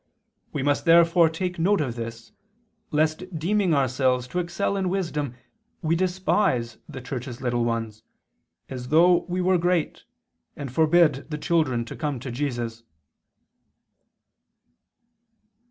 We must therefore take note of this, lest deeming ourselves to excel in wisdom we despise the Church's little ones, as though we were great, and forbid the children to come to Jesus."